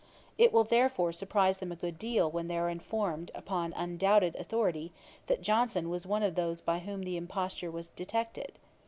It will therefore surprise them a good deal when they are informed upon undoubted authority, that Johnson was one of those by whom the imposture was detected.